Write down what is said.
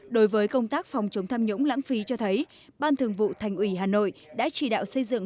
đối với công tác phòng chống tham nhũng lãng phí cho thấy ban thường vụ thành ủy hà nội đã chỉ đạo xây dựng